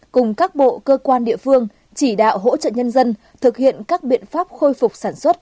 cùng các bộ cơ quan địa phương chỉ đạo hỗ trợ nhân dân thực hiện các biện pháp khôi phục sản xuất